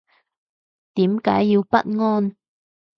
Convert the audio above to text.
點解要不安